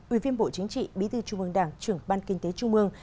ủy viên bộ chính trị bí thư trung ương đảng trưởng ban kinh tế trung ương